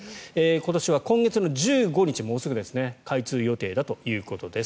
今月は今年の１５日に開通予定だということです。